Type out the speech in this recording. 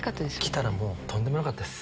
来たらとんでもなかったです。